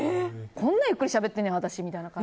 こんなゆっくりしゃべってんねや私って。